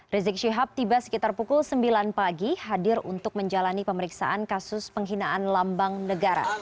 rizik syihab tiba sekitar pukul sembilan pagi hadir untuk menjalani pemeriksaan kasus penghinaan lambang negara